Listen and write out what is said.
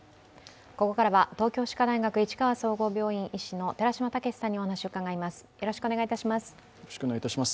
ここからは東京歯科大学市川総合病院医師の寺嶋毅さんにお話を伺います。